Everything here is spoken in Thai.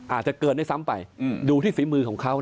อาจจะเกินได้ซ้ำไปดูที่ฝีมือของเขา